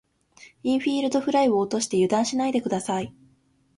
インフィールドフライを落として油断しないで下さい。